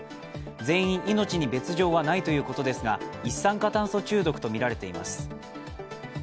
全員、命に別状はないということですが一酸化炭素中毒とみられています。